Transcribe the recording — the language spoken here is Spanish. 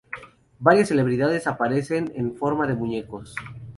Varias celebridades aparecen en forma de muñecos.